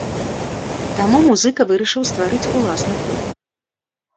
Таму музыка вырашыў стварыць уласны клуб.